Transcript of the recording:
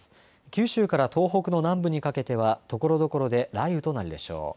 九州から東北の南部にかけてはところどころで雷雨となるでしょう。